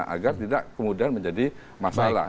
agar tidak kemudian menjadi masalah